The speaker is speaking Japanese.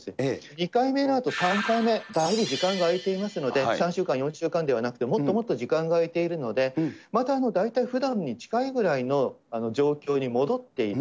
２回目のあと、３回目、だいふ時間が空いていますので、３週間、４週間ではなくてもっともっと時間が空いているので、また大体ふだんに近いぐらいの状況に戻っている。